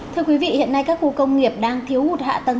thưa quý vị hiện nay các khu công nghiệp đang thiếu hụt hạ tầng